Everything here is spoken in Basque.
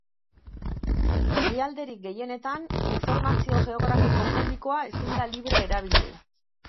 Herrialderik gehienetan informazio geografiko publikoa ezin da libre erabili.